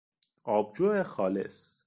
آبجو خالص